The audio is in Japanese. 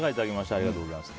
ありがとうございます。